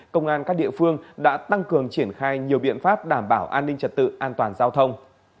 công an các địa phương đã tăng cường triển khai nhiều biện pháp đảm bảo an ninh trật tự an toàn giao thông